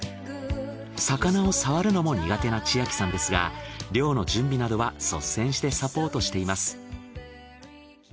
魚を触るのも苦手な千秋さんですが漁の準備などは率先してサポートしています。